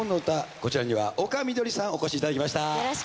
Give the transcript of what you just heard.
こちらには丘みどりさんお越しいただきました。